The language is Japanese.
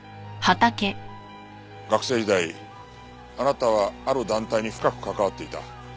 学生時代あなたはある団体に深く関わっていた。